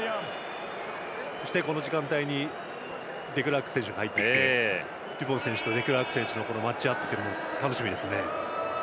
そしてこの時間帯にデクラーク選手が入ってきてデュポン選手とデクラーク選手のマッチアップも楽しみですね。